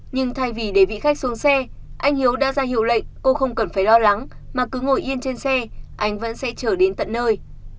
nhưng thay vì để vị khách xuống xe anh hiếu đã ra hiệu lệnh cô không cần phải lo lắng mà cứ ngồi yên trên xe anh vẫn sẽ trở đến tận nơi